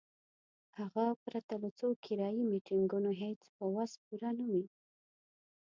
هغه پرته له څو کرایي میټینګونو هیڅ په وس پوره نه وي.